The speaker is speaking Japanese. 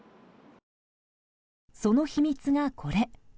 その秘密がこれ。